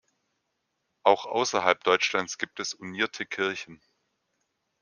Auch außerhalb Deutschlands gibt es unierte Kirchen.